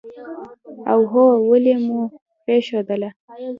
اوهووو ولې مو پرېښودله.